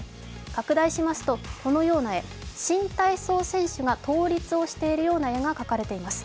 拡大しますとこのような絵、新体操選手が倒立しているような絵が描かれています。